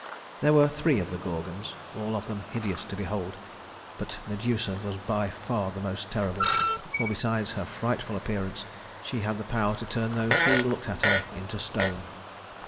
There were three of the Gorgons, all of them hideous to behold; but Medusa was by far the most terrible, for besides her frightful appearance she had the power to turn those who looked at her into stone.